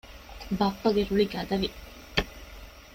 ބައްޕަގެ ރުޅި ގަދަވި